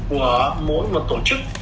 của mỗi một tổ chức